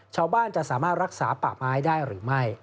ชาวบ้านจะสามารถรักษาป่าไม้ได้หรือไม่